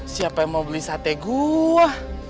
siapa yang mau beli sate gue